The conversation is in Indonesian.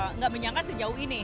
tidak menyangka sejauh ini